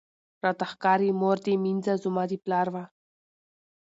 راته ښکاری مور دي مینځه زما د پلار وه